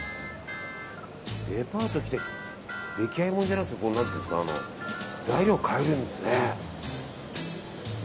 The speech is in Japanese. デパート来て出来合いものじゃなくて材料、買えるんですね。